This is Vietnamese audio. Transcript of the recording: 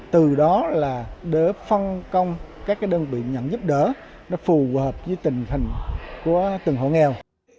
từ đó là để phân công các đơn vị nhận giúp đỡ nó phù hợp với tình hình của từng hộ nghèo